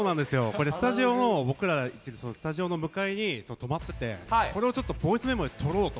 これスタジオの僕らが行ってるスタジオの向かいに止まっててこれをちょっとボイスメモでとろうと。